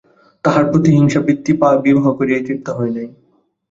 তাহার প্রতিহিংসাপ্রবৃত্তি বিবাহ করিয়াই তৃপ্ত হয় নাই।